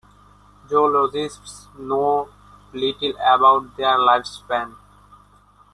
Zoologists know little about their lifespan.